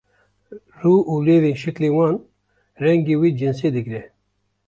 rû û lêvên şeklê wan rengê wî cinsê digre